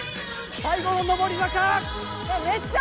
最後の上り坂！